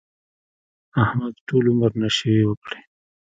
احمد ټول عمر نشې وکړې.